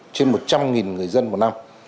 trên một trăm linh người dân một năm